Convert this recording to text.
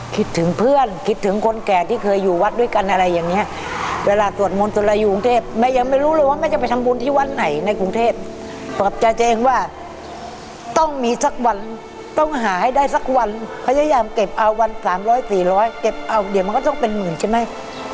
คิดถึงเพื่อนคิดถึงคนแก่ที่เคยอยู่วัดด้วยกันอะไรอย่างเงี้ยเวลาสวดมนต์ตุลาอยู่กรุงเทพแม่ยังไม่รู้เลยว่าแม่จะไปทำบุญที่วัดไหนในกรุงเทพปลอบใจตัวเองว่าต้องมีสักวันต้องหาให้ได้สักวันพยายามเก็บเอาวันสามร้อยสี่ร้อยเก็บเอาเดี๋ยวมันก็ต้องเป็นหมื่นใช่ไหม